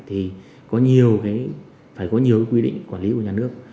thì phải có nhiều quy định quản lý của nhà nước